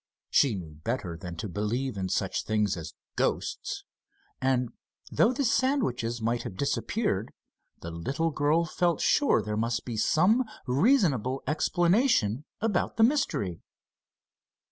She knew better than to believe in such things as "ghosts," and, though the sandwiches might have disappeared, the little girl felt sure there must be some reasonable explanation about the mystery.